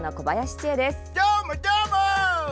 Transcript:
どーも、どーも！